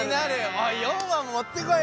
おい４話も持ってこいよ。